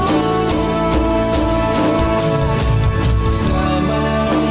aku akan menghilang